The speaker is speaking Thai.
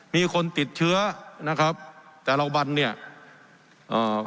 มีคนติดเชื้อนะครับแต่ละวันเนี่ยเอ่อ